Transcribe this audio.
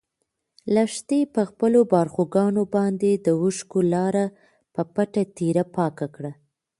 لښتې په خپلو باړخوګانو باندې د اوښکو لاره په پټه تېره پاکه کړه.